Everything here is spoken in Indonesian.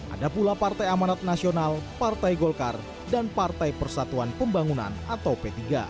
ada pula partai amanat nasional partai golkar dan partai persatuan pembangunan atau p tiga